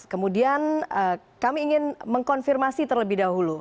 kemudian kami ingin mengkonfirmasi terlebih dahulu